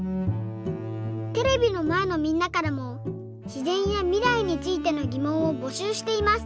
テレビのまえのみんなからもしぜんやみらいについてのぎもんをぼしゅうしています。